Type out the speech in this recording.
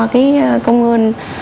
cái công ơn